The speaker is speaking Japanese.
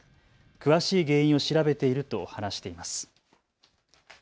詳しい原因を調べていると話しています。